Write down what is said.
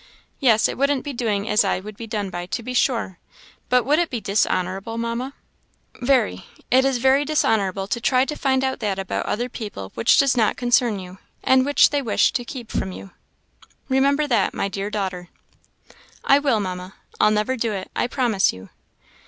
"Yes, it wouldn't be doing as I would be done by, to be sure; but would it be dishonourable, Mamma?" "Very. It is very dishonourable to try to find out that about other people which does not concern you, and which they wish to keep from you. Remember that, my dear daughter." "I will, Mamma. I'll never do it, I promise you."